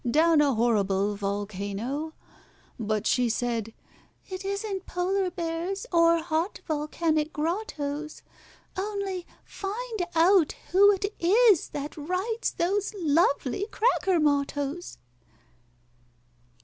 down a horrible volcano?" But she said, "It isn't polar bears, or hot volcanic grottoes: Only find out who it is that writes those lovely cracker mottoes!"